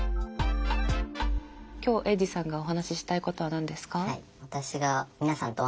今日エイジさんがお話ししたいことは何ですか？